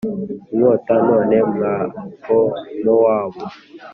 inkota None mwa Bamowabu